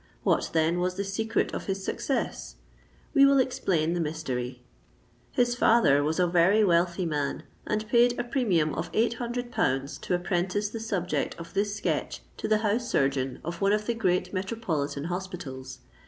What, then, was the secret of his success? We will explain the mystery. His father was a very wealthy man, and paid a premium of £800 to apprentice the subject of this sketch to the house surgeon of one of the great metropolitan hospitals.